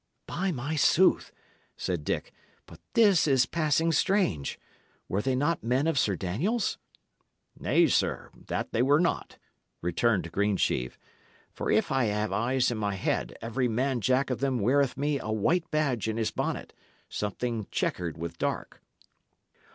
"By my sooth," said Dick, "but this is passing strange! Were they not men of Sir Daniel's?" "Nay, sir, that they were not," returned Greensheve; "for if I have eyes in my head, every man Jack of them weareth me a white badge in his bonnet, something chequered with dark."